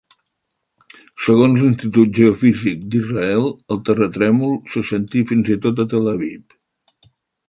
Segons l'Institut Geofísic d'Israel, el terratrèmol se sentí fins i tot a Tel Aviv.